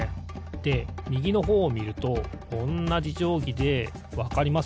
でみぎのほうをみるとおんなじじょうぎでわかります？